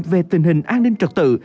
về tình hình an ninh trật tự